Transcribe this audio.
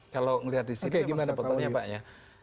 kalau melihat di sini gimana potongnya pak ya